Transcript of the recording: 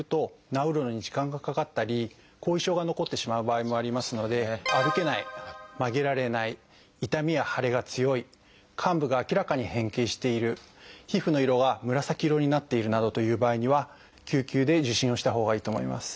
治るのに時間がかかったり後遺症が残ってしまう場合もありますので歩けない曲げられない痛みや腫れが強い患部が明らかに変形している皮膚の色が紫色になっているなどという場合には救急で受診をしたほうがいいと思います。